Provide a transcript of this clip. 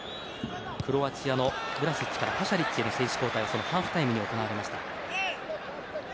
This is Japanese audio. クロアチアのヴラシッチからパシャリッチへの選手交代はハーフタイムに行われました。